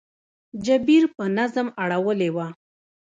جبیر په نظم اړولې وه.